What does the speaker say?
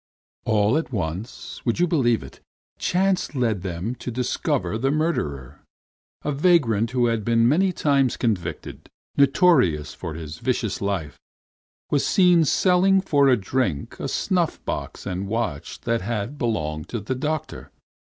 "All at once, would you believe it, chance led them to discovering the murderer. A vagrant who had been many times convicted, notorious for his vicious life, was seen selling for drink a snuff box and watch that had belonged to the doctor.